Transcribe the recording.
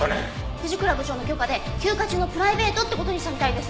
藤倉部長の許可で休暇中のプライベートって事にしたみたいです。